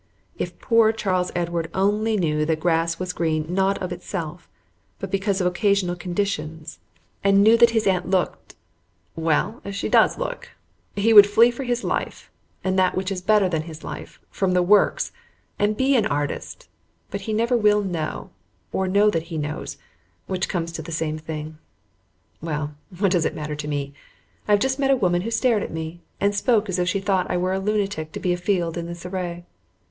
If poor Charles Edward only knew that grass was green not of itself, but because of occasional conditions, and knew that his aunt looked well, as she does look he would flee for his life, and that which is better than his life, from the "Works," and be an artist, but he never will know or know that he knows, which comes to the same thing. Well, what does it matter to me? I have just met a woman who stared at me, and spoke as if she thought I were a lunatic to be afield in this array.